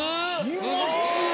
気持ちいい！